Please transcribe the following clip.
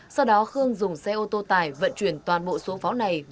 sau đó khương dùng xe ô tô tải vận chuyển toàn bộ số pháo này